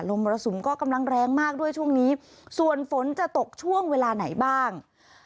มรสุมก็กำลังแรงมากด้วยช่วงนี้ส่วนฝนจะตกช่วงเวลาไหนบ้าง